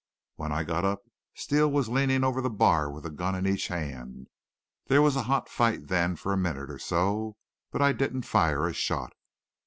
"When I got up Steele was leaning over the bar with a gun in each hand. There was a hot fight then for a minute or so, but I didn't fire a shot.